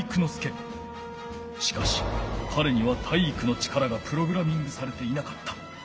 しかしかれには体育の力がプログラミングされていなかった。